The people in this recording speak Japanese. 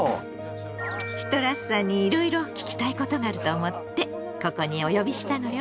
シトラスさんにいろいろ聞きたいことがあると思ってここにお呼びしたのよ。